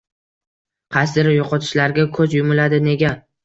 qaysidir yo‘qotishlarga ko‘z yumiladi. Nega?